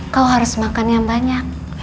kau harus makan yang banyak